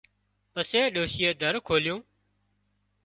پسي ڏوشيئي در کولُيون